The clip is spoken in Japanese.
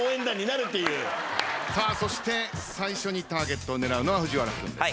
そして最初にターゲットを狙うのは藤原君です。